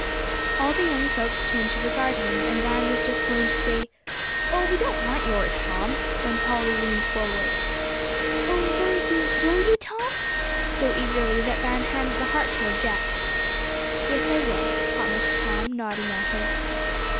All the young folks turned to regard him, and Van was just going to say, "Oh, we don't want yours, Tom," when Polly leaned forward, "Oh, will you will you, Tom?" so eagerly that Van hadn't the heart to object. "Yes, I will," promised Tom, nodding at her.